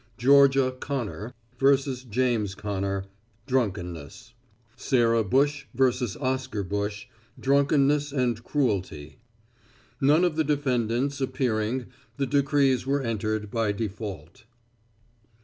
Georgia Connor vs. James Connor; drunkenness. Sarah Bush vs. Oscar Bush; drunkenness and cruelty. None of the defendants appearing, the decrees were entered by default.